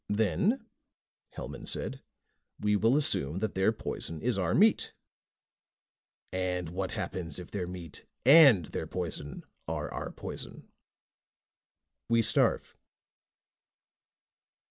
"Then," Hellman said, "we will assume that their poison is our meat." "And what happens if their meat and their poison are our poison?" "We starve."